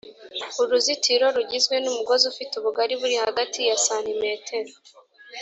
uruzitiro rugizwe n umugozi ufite ubugari buri hagati ya santimetero